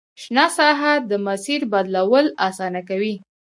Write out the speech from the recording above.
شنه ساحه د مسیر بدلول اسانه کوي